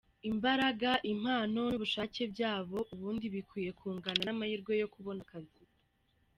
Imbaraga, impano, n’ubushake byabo ubundi bikwiye kungana n’amahirwe yo kubona akazi".